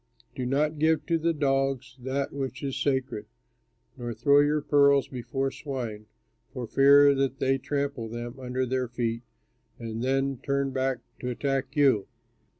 "Do not give to the dogs that which is sacred, nor throw your pearls before swine, for fear that they trample them under their feet and then turn back to attack you.